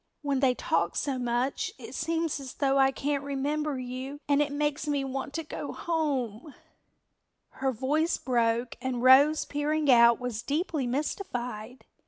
When they talk so much it seems as though I can't remember you and it makes me want to go home." Her voice broke and Rose peering out was deeply mystified.